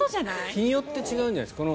日によって違うんじゃないですか？